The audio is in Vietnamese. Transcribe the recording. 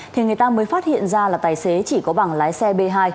thì người ta mới phát hiện ra là tài xế chỉ có bảng lái xe b hai